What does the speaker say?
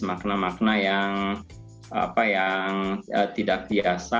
makna makna yang tidak biasa